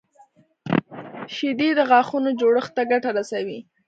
شیدې د غاښونو جوړښت ته ګټه رسوي